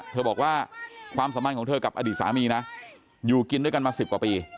เธอบอกว่าความสัมพันธ์ของเธอกับอดีตสามีนะอยู่กินด้วยกันมา๑๐กว่าปี